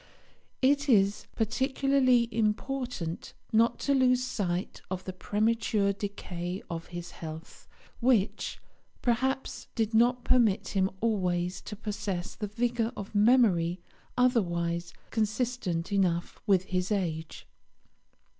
It is particularly important not to lose sight of the premature decay of his health, which, perhaps, did not permit him always to possess the vigour of memory otherwise consistent enough with his age.